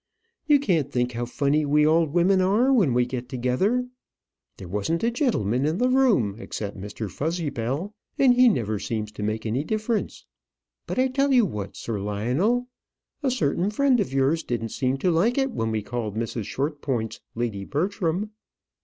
You can't think how funny we old women are when we get together. There wasn't a gentleman in the room except Mr. Fuzzybell; and he never seems to make any difference. But I tell you what, Sir Lionel; a certain friend of yours didn't seem to like it when we called Mrs. Shortpointz Lady Bertram."